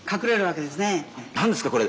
何ですかこれ？